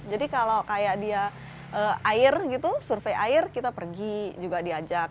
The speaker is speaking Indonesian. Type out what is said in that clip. jadi kalau dia survei air kita pergi juga diajak